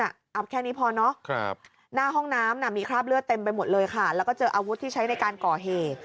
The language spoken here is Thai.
เอาแค่นี้พอเนอะหน้าห้องน้ำมีคราบเลือดเต็มไปหมดเลยค่ะแล้วก็เจออาวุธที่ใช้ในการก่อเหตุ